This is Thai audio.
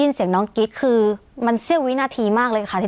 เสียงน้องกิ๊กคือมันเสี้ยววินาทีมากเลยค่ะ